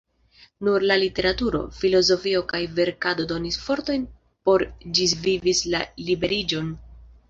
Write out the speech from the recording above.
Nur la literaturo, filozofio kaj verkado donis fortojn por ĝisvivi la liberiĝon.